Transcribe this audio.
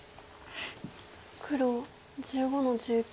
黒１５の十九。